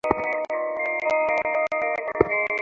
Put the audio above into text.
তিনি কৃপাবর বরুয়া ছদ্মনামে সাহিত্য রচনা করতেন।